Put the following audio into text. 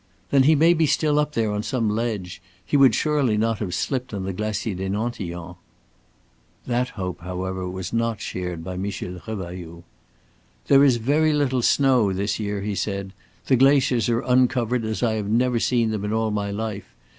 "Then he may be still up there on some ledge. He would surely not have slipped on the Glacier des Nantillons." That hope, however, was not shared by Michel Revailloud. "There is very little snow this year," he said. "The glaciers are uncovered as I have never seen them in all my life.